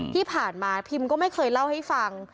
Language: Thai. ที่ผ่านมาพิมก็ไม่เคยเล่าให้ฟัง